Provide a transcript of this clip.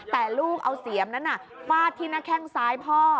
แต่ลูกเอาเสียมนั้นฟาดที่หน้าแข้งซ้ายพ่อ